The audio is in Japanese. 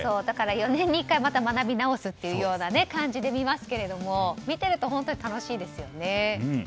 だから４年に１回また学び直すという感じで見ますけども見ていると本当に楽しいですね。